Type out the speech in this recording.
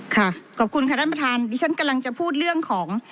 ค่ะขอบคุณค่ะท่านประธานดิฉันกำลังจะพูดเรื่องของ